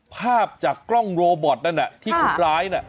ภาพจากกล้องโรบอตนั่นที่คนร้ายน่ะ